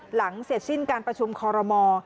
หลังเสร็จสิ้นการประชุมคอรมอ